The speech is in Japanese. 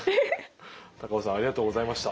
高尾さんありがとうございました。